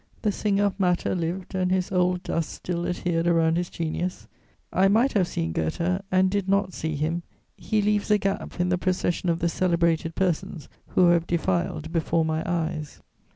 The singer of matter lived, and his old dust still adhered around his genius. I might have seen Goethe and did not see him; he leaves a gap in the procession of the celebrated persons who have defiled before my eyes.